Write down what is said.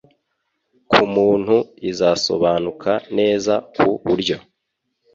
k’umuntu izasobanuka neza, ku buryo